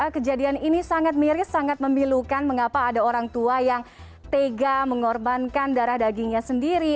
kejadian ini sangat miris sangat memilukan mengapa ada orang tua yang tega mengorbankan darah dagingnya sendiri